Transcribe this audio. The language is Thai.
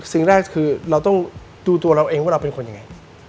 สิ่งแรกคือเราต้องดูตัวเราเองว่าเราเป็นคนยังไง